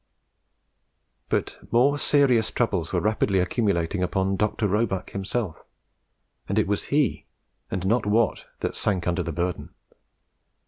But more serious troubles were rapidly accumulating upon Dr. Roebuck himself; and it was he, and not Watt, that sank under the burthen.